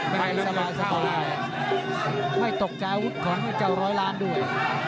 ไม่สบายไม่ตกใจอาวุธของไอ้เจ้าร้อยล้านด้วย